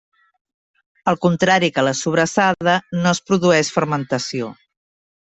Al contrari que la sobrassada, no es produeix fermentació.